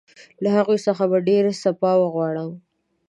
له هغوی څخه به ډېر سپاه وغواړم.